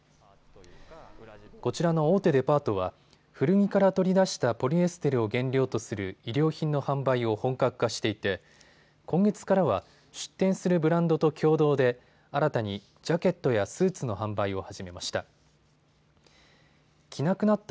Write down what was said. こちらの大手デパートは古着から取り出したポリエステルを原料とする衣料品の販売を本格化していて今月からは出店するブランドと共同で新たにジャケットやスーツの販売を始めました。